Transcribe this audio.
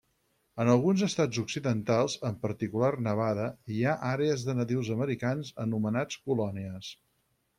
En alguns estats occidentals, en particular Nevada, hi ha àrees de nadius americans anomenats colònies.